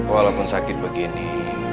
walaupun sakit begini